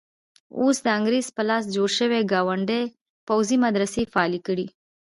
اوس د انګریز په لاس جوړ کړي ګاونډي پوځي مدرسې فعالې کړي.